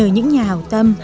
nhờ những nhà hào tâm